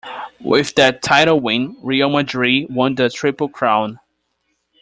With that title win, Real Madrid won the triple crown.